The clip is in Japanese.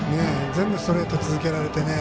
全部ストレート続けられてね。